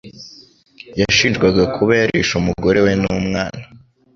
Yashinjwaga kuba yarishe umugore we n'umwana.